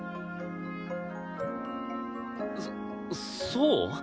そそう？